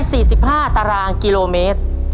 ตัวเลือกที่สอง๒๔๕ตารางกิโลเมตร